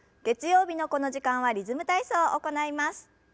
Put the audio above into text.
月曜日のこの時間は「リズム体操」を行います。